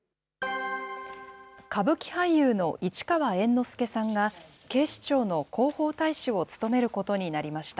歌舞伎俳優の市川猿之助さんが、警視庁の広報大使を務めることになりました。